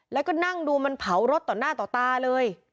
แล้วก็นั่งดูมันเผารถต่อหน้าต่อตาเลย